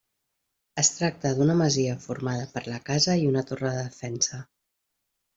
Es tracta d'una masia formada per la casa i una torre de defensa.